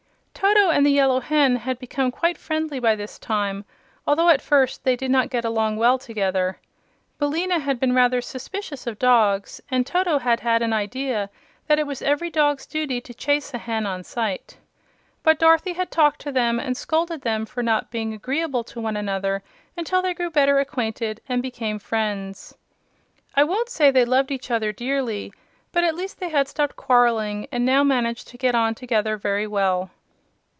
Toto and the Yellow Hen had become quite friendly by this time, although at first they did not get along well together. Billina had been rather suspicious of dogs, and Toto had had an idea that it was every dog's duty to chase a hen on sight. But Dorothy had talked to them and scolded them for not being agreeable to one another until they grew better acquainted and became friends. I won't say they loved each other dearly, but at least they had stopped quarreling and now managed to get on together very well.